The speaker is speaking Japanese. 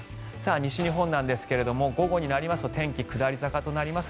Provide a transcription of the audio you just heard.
西日本なんですが午後になりますと天気、下り坂となります。